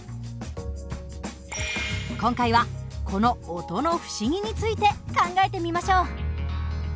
今回はこの「音の不思議」について考えてみましょう。